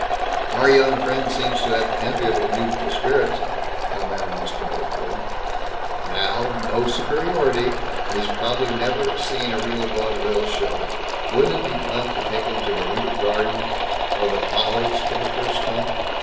"Our young friend seems to have enviable youthful spirits," commented Mr. Boltwood. "Now, no superiority! He's probably never seen a real vaudeville show. Wouldn't it be fun to take him to the Winter Garden or the Follies for the first time!...